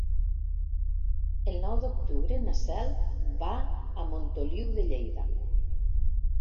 El nou d'octubre na Cel va a Montoliu de Lleida.